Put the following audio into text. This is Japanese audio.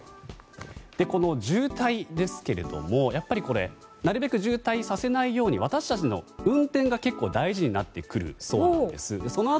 この渋滞ですけれどもなるべく渋滞させないように私たちの運転が結構大事なってくるそうなんです。